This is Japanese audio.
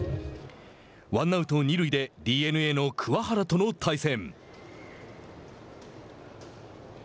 ワンアウト、二塁でＤｅＮＡの桑原との対戦。